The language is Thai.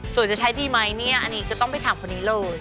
ส่วนจะใช้ดีไหมเนี่ยอันนี้ก็ต้องไปถามคนนี้เลย